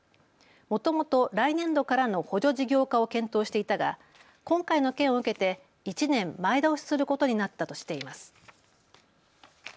もともと来年度からの補助事業化を検討していたが今回の件を受けて１年前倒しすることになったとしています。